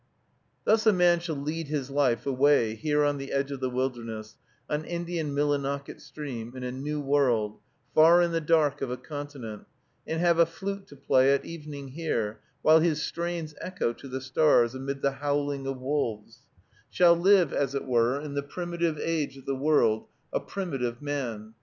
Thus a man shall lead his life away here on the edge of the wilderness, on Indian Millinocket Stream, in a new world, far in the dark of a continent, and have a flute to play at evening here, while his strains echo to the stars, amid the howling of wolves; shall live, as it were, in the primitive age of the world, a primitive man.